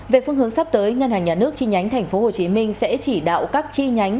về phương hướng sắp tới ngân hàng nhà nước chi nhánh tp hcm sẽ chỉ đạo các chi nhánh